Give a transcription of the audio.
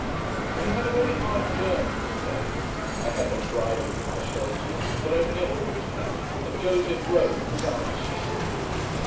We had a very hard journey to day. I had no bridle for my sheltie, but only a halter; and Joseph rode without a saddle.